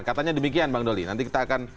katanya demikian bang doli nanti kita akan